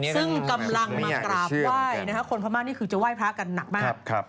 ซึ่งกำลังมากราบไหว้นะคะคนพม่านี่คือจะไหว้พระกันหนักมาก